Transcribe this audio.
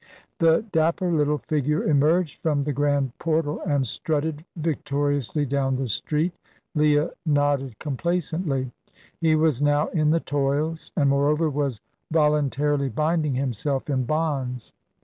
The dapper little figure emerged from the grand portal, and strutted victoriously down the street. Leah nodded complacently. He was now in the toils, and, moreover, was voluntarily binding himself in bonds.